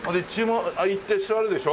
行って座るでしょ？